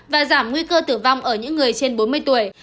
và giảm nguy cơ tử vong ở những người trên bốn mươi tuổi